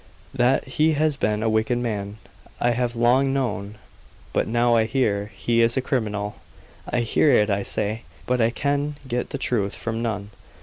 That he has been a wicked man, I have long known; but now I hear he is a criminal. I hear it, I say, but I can get the truth from none.